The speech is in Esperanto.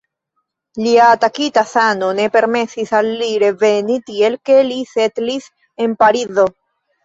Lia atakita sano ne permesis al li reveni, tiel ke li setlis en Parizo.